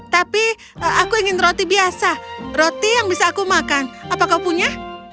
tapi aku ingin roti biasa roti yang bisa aku makan apa kau punya